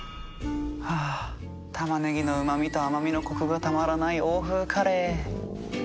あたまねぎのうまみと甘みのコクがたまらない欧風カレー。